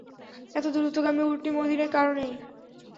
এত দ্রুতগামী উটনী মদীনায় কারো নেই।